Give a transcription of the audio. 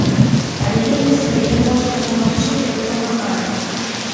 Але ён не злы, ён можа дапамагчы і дапамагае.